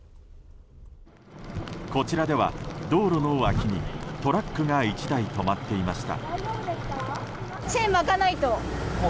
こちらでは道路の脇にトラックが１台止まっていました。